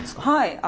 はい。